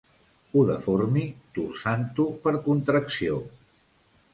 Ho deformi torçant-ho per contracció.